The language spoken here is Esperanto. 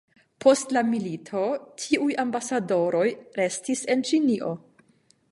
Post la milito, tiuj ambasadoroj restis en Ĉinio.